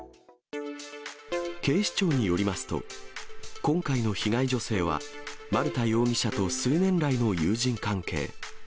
警視庁によりますと、今回の被害女性は、丸田容疑者と数年来の友人関係。